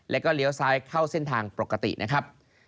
แล้วก็เลี้ยวซ้ายเข้าเส้นทางปกตินะครับ